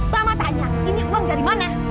mama tanya ini uang dari mana